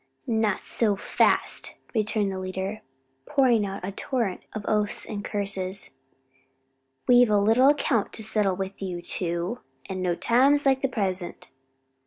"Not so fast!" returned the leader, pouring out a torrent of oaths and curses; "we've a little account to settle with you two, and no time's like the present."